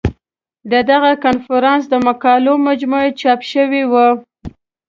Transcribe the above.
د دغه کنفرانس د مقالو مجموعه چاپ شوې وه.